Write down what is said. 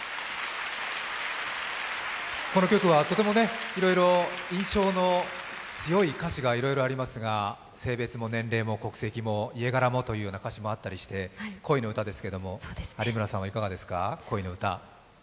この曲はいろいろ印象の強い歌詞がいろいろありますが、「性別も年齢も家柄も」という歌詞もあったりして恋の歌ですけれども有村さんはいかがですか、恋の歌。